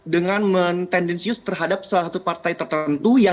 dengan men tendensius terhadap salah satu partai tertentu